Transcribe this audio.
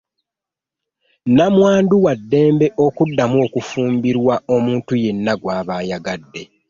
Nnamwandu waddembe okuddamu okufumbirwa omuntu yenna gw’aba ayagadde.